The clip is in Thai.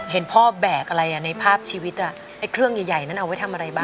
เห็นพ่อแบกอะไรในภาพชีวิตไอ้เครื่องใหญ่นั้นเอาไว้ทำอะไรบ้าง